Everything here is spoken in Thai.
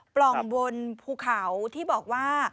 ปล่องบนภูเขาที่บอกว่า